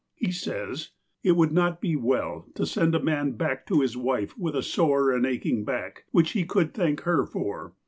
He says :" It would not be well to send a man back to his wife with a sore and aching back, which he could thank her for.